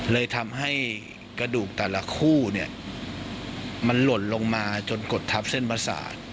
เลยทำให้กระดูกแต่ละคู่เนี่ยมันหล่นลงมาจนกดทับเส้นประสาท